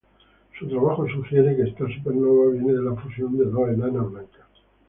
Su trabajo sugiere que esta supernova viene de la fusión de dos enanas blancas.